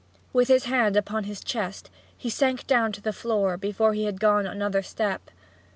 With his hand upon his chest he sank down to the floor before he had gone another step.